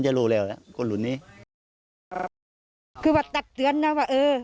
ก็ว่าตักเตือนนะว่าเออ